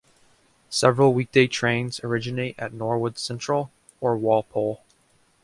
Several weekday trains originate at Norwood Central or Walpole.